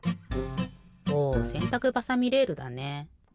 おせんたくばさみレールだね。